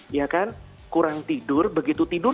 kita kurang tidur begitu tidur